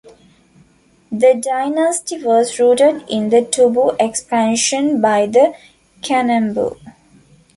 The dynasty was rooted in the Tubu expansion by the Kanembu.